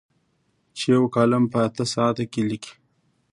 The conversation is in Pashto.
چې یو کالم په اته ساعته کې لیکي.